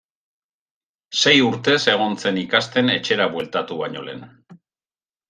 Sei urtez egon zen ikasten etxera bueltatu baino lehen.